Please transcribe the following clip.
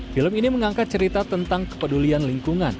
film ini mengangkat cerita tentang kepedulian lingkungan